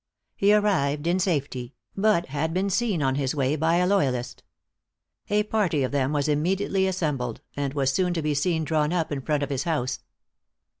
He arrived in safety; but had been seen on his way by a loyalist. A party of them was immediately assembled, and was soon to be seen drawn up in front of his house.